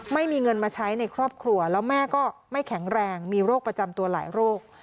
ไม่มีเงินมาใช้ในครอบครัวแล้วแม่ก็ไม่แข็งแรงมีโรคประจำตัวหลายโรค